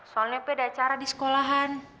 soalnya opi ada acara di sekolahan